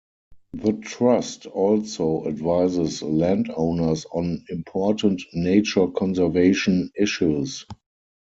The Trust also advises landowners on important nature conservation issues.